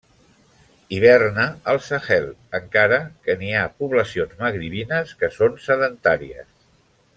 Hiverna al Sahel encara que n'hi ha poblacions magribines que són sedentàries.